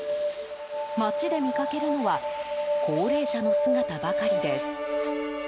町で見かけるのは高齢者の姿ばかりです。